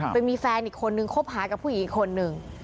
ไปมีแฟนอีกคนนึงคบหากับผู้หญิงอีกคนนึง